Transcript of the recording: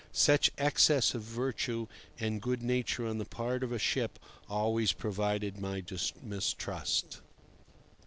Such excess of virtue and good nature on the part of a ship always provoked my mistrust.